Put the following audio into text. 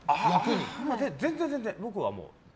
全然全然、僕はもう。